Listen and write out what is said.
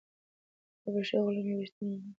حبشي غلام یو ریښتینی مومن و.